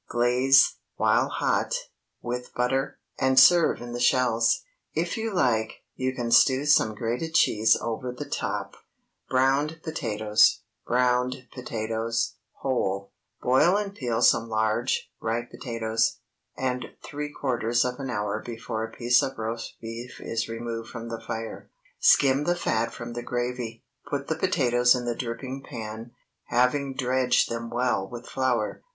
Glaze, while hot, with butter, and serve in the shells. If you like, you can strew some grated cheese over the top. BROWNED POTATOES.—(Whole.) Boil and peel some large, ripe potatoes, and three quarters of an hour before a piece of roast beef is removed from the fire, skim the fat from the gravy; put the potatoes in the dripping pan, having dredged them well with flour.